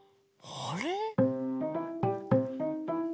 あれ？